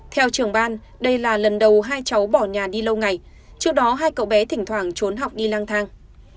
theo trưởng ban đây là lần đầu hai cháu bỏ nhà đi lâu ngày trước đó hai cậu bé thỉnh thoảng trốn học đi lang thang